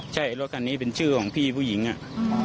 ใช่รถคันนี้เป็นชื่อของพี่ผู้หญิงอ่ะ